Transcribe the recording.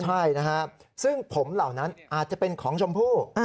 ใช่นะครับซึ่งผมเหล่านั้นอาจจะเป็นของชมพู่